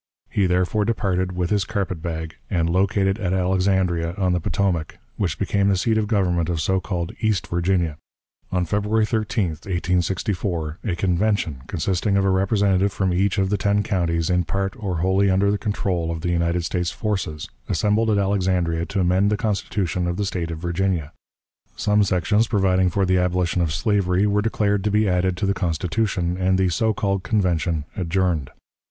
He therefore departed, with his carpet bag, and located at Alexandria, on the Potomac, which became the seat of government of so called East Virginia. On February 13, 1864, a convention, consisting of a representative from each of the ten counties in part or wholly under the control of the United States forces, assembled at Alexandria to amend the Constitution of the State of Virginia. Some sections providing for the abolition of slavery were declared to be added to the Constitution, and the so called Convention adjourned.